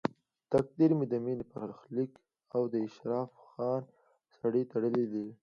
تقدیر د مینې برخلیک له اشرف خان سره تړلی و